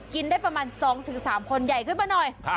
กินได้ประมาณ๒๓คนใหญ่ขึ้นมาหน่อย